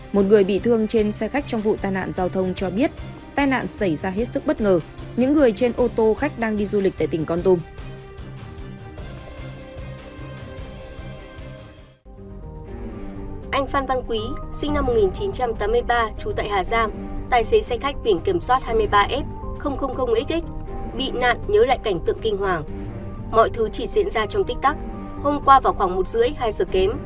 một người bị thương trên xe khách trong vụ tai nạn giao thông cho biết tai nạn xảy ra hết sức bất ngờ những người trên ô tô khách đang đi du lịch tại tỉnh con tum